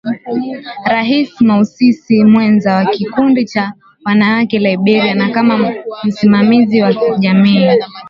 Harris muasisi mwenza wa Kikundi cha Wanawake Liberia na kama msimamizi wa kijamii